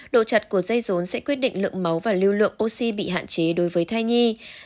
độ chặt của dây rốn sẽ quyết định lượng máu và lưu lượng oxy bị hạn chế đối với thai nhi